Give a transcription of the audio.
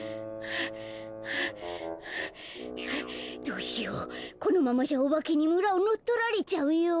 どうしようこのままじゃおばけにむらをのっとられちゃうよ。